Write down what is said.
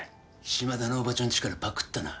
島田のおばちゃんちからパクったな。